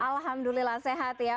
alhamdulillah sehat ya